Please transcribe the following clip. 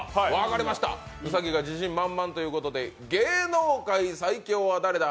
兎が自信満々ということで芸能界最強は誰だ！